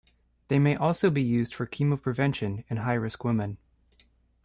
They may also be used for chemoprevention in high risk women.